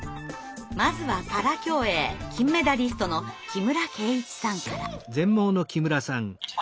まずはパラ競泳金メダリストの木村敬一さんから。